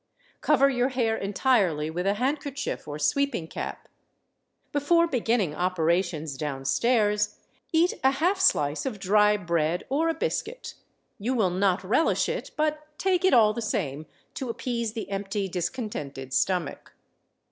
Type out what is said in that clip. Cover your hair entirely with a handkerchief or sweeping cap. Before beginning operations down stairs eat a half slice of dry bread or a biscuit. You will not relish it, but take it all the same to appease the empty, discontented stomach.